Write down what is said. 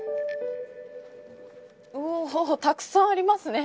たくさんありますね。